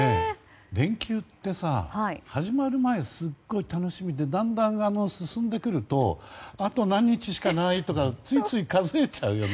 連休ってさ、始まる前すごい楽しみでだんだん進んでくるとあと何日しかないとかついつい数えちゃうよね。